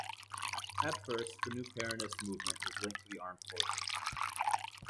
At first, the new Peronist movement was linked to the Armed Forces.